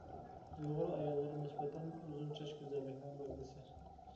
ئۇيغۇر ئاياللىرىغا نىسبەتەن ئۇزۇن چاچ گۈزەللىكنىڭ بەلگىسى.